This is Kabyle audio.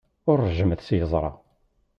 Ur ṛejjmet s yeẓra.